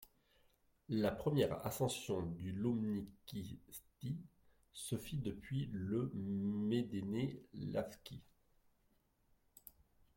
La première ascension du Lomnický štít se fit depuis le Medené lávky.